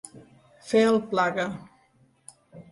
Fer el plaga.